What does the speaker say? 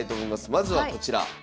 まずはこちら。